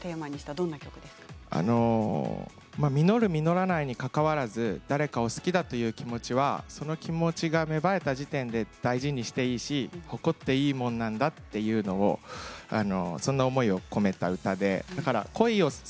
どういったことを実る実らないにかかわらず誰かを好きだという気持ちはその気持ちが芽生えた時点で大事にしていいし誇っていいものなんだということそんな思いを込めた歌なんです。